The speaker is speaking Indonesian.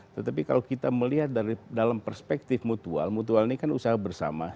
tetapi kalau kita melihat dalam perspektif mutual mutual ini kan usaha bersama